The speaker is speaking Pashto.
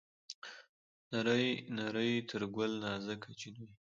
نرۍ نرى تر ګل نازکه جينۍ